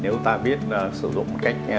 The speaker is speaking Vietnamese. nếu ta biết sử dụng một cách fructose